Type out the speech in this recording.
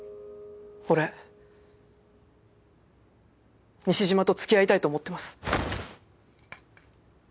俺西島と付き合いたいと思ってます。